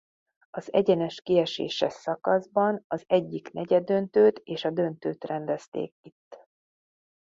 Az egyenes kieséses szakaszban az egyik negyeddöntőt és a döntőt rendezték itt.